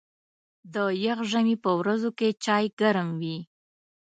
د یخ ژمي په ورځو کې چای ګرم وي.